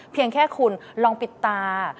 เพียงแค่คุณลองปิดตา